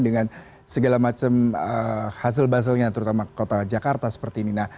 dengan segala macam hasil hasilnya terutama kota jakarta seperti ini